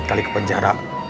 empat kali ke penjara